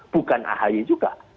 bukan ahy juga